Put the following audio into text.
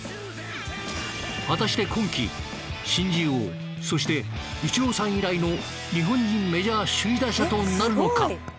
果たして今季新人王そしてイチローさん以来の日本人メジャー首位打者となるのか？